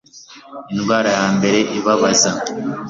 Indwara ya mbere ibabaza